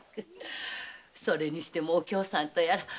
それにしてもお京さんとやら見事な御点前。